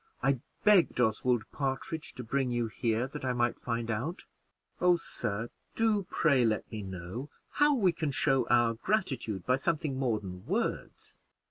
I begged Oswald Partridge to bring you here that I might find out. Oh, sir, do, pray, let me know how we can show our gratitude by something more than words."